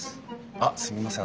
あっすみません